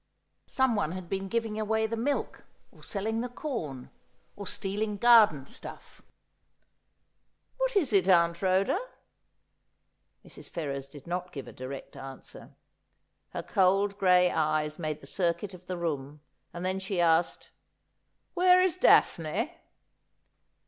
Someone had been giving away the milk or selling the corn, or stealing garden stuff. ' What is it. Aunt Rhoda ?' Mrs. Ferrers did not give a direct answer. Her cold gray eyes made the circuit of the room, and then she asked :' Where is Daphne